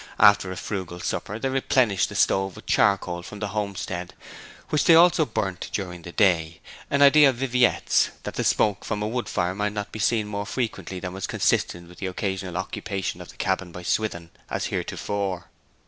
After a frugal supper they replenished the stove with charcoal from the homestead, which they also burnt during the day, an idea of Viviette's, that the smoke from a wood fire might not be seen more frequently than was consistent with the occasional occupation of the cabin by Swithin, as heretofore.